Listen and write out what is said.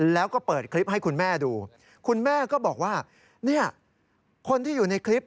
แล้วก็เปิดคลิปให้คุณแม่ดูคุณแม่ก็บอกว่าเนี่ยคนที่อยู่ในคลิป